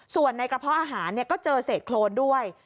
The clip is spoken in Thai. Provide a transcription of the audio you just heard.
ส่วนในกระเพาะอาหารก็เจอเศษโครนด้วย